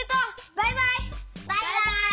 バイバイ！